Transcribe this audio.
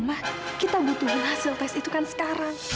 mak kita butuhkan hasil tes itu kan sekarang